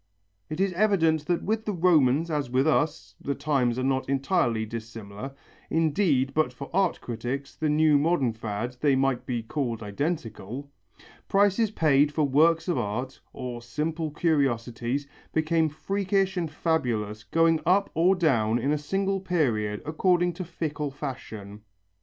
It is evident that with the Romans as with us the times are not entirely dissimilar; indeed but for art critics, the new modern fad, they might be called identical prices paid for works of art, or simple curiosities, became freakish and fabulous, going up or down in a single period according to fickle fashion.